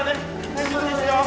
・大丈夫ですよ